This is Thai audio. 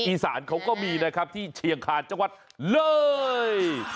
อีสานเขาก็มีนะครับที่เชียงคาญจังหวัดเลย